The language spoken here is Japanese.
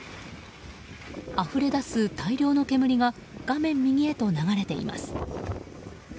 あふれ出す大量の煙が画面右へと流れています。